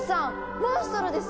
モンストロです！